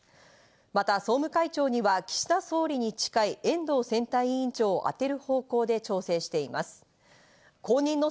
また総務会長には岸田総理に近い遠藤選対委員長をあてる方向で調整しています。